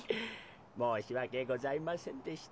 もうしわけございませんでした。